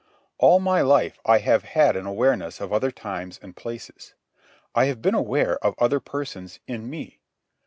All my life I have had an awareness of other times and places. I have been aware of other persons in me.